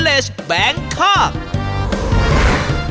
อาหารการกิน